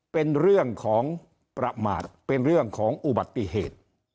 เป็นเรื่องของประมาทเป็นเรื่องของอุบัติเหตุ